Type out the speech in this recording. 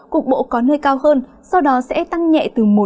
cục bộ có nơi cao hơn sau đó sẽ tăng nhẹ từ một đến hai độ trong hai ngày